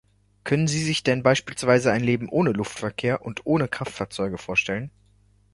Können Sie sich denn beispielsweise ein Leben ohne Luftverkehr und ohne Kraftfahrzeuge vorstellen?